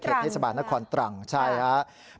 เทศบาลนครตรังใช่ครับ